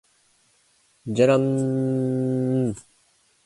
じゃらんーーーーー